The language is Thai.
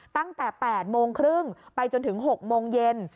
ตั้งแต่๘โมงครึ่งไปจนถึง๖โมงเย็น